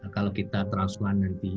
kalau kita transplant nanti